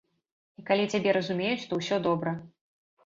І калі цябе разумеюць, то ўсё добра.